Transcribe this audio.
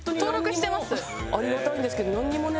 ありがたいんですけどね